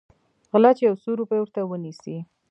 غله چې يو څو روپۍ ورته ونيسي.